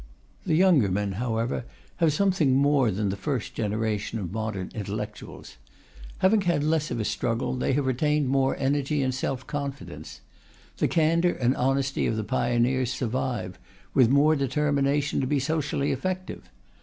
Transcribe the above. The younger men, however, have something more than the first generation of modern intellectuals. Having had less of a struggle, they have retained more energy and self confidence. The candour and honesty of the pioneers survive, with more determination to be socially effective.